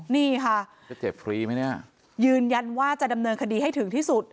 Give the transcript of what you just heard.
นี่ค่ะยืนยันว่าจะดำเนินคดีให้ถึงที่สุด